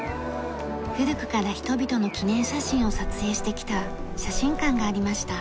古くから人々の記念写真を撮影してきた写真館がありました。